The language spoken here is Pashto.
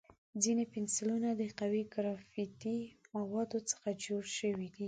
ځینې پنسلونه د قوي ګرافیتي موادو څخه جوړ شوي وي.